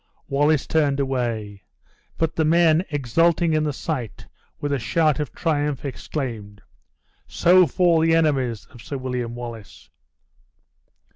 Wallace turned away; but the men exulting in the sight, with a shout of triumph exclaimed, "So fall the enemies of Sir William Wallace!"